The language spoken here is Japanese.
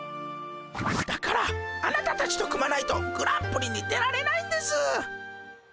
だからあなたたちと組まないとグランプリに出られないんです。